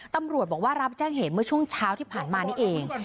ตำรวจบอกว่ารับแจ้งเหตุเมื่อช่วงเช้าที่ผ่านมานี่เอง